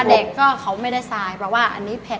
เด็กก็เขาไม่ได้ทรายเพราะว่าอันนี้เผ็ด